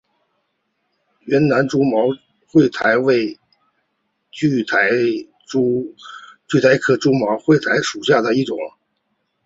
云南蛛毛苣苔为苦苣苔科蛛毛苣苔属下的一个种。